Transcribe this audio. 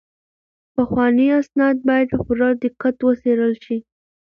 پخواني اسناد باید په پوره دقت وڅیړل شي.